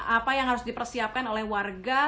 apa yang harus dipersiapkan oleh warga